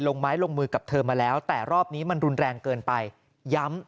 ลงไม้ลงมือกับเธอมาแล้วแต่รอบนี้มันรุนแรงเกินไปย้ำ